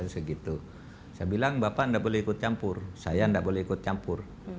saya bilang bapak tidak boleh ikut campur saya tidak boleh ikut campur